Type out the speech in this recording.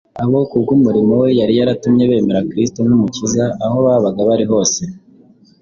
Abo kubw’umurimo we yari yaratumye bemera Kristo nk’Umukiza aho babaga bari hose